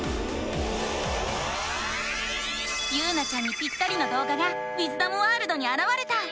ゆうなちゃんにピッタリのどう画がウィズダムワールドにあらわれた！